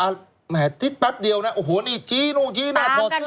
แถวนี้แถวเดียวนะโอ้โหนี่ชี้โน้งชี้หน้าถอดเสื้อ